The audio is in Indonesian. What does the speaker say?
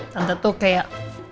tante tuh kayak